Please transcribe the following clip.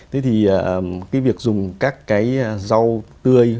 thế thì cái việc dùng các cái rau tươi